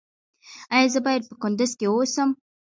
ایا زه باید په کندز کې اوسم؟